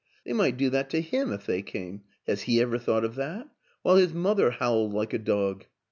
They might do that to him if they came has he ever thought of that? while his mother howled like a dog."